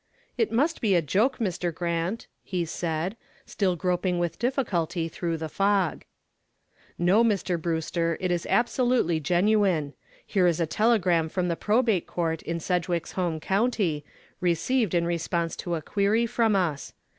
"It must be a joke, Mr. Grant," he said, still groping with difficulty through the fog. "No, Mr. Brewster, it is absolutely genuine. Here is a telegram from the Probate Court in Sedgwick's home county, received in response to a query from us.